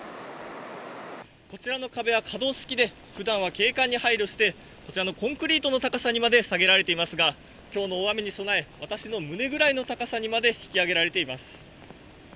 こちらの壁は可動式で、ふだんは景観に配慮して、こちらのコンクリートの高さにまで下げられていますが、きょうの大雨に備え、私の胸ぐらいの高さにまで引き上げられています。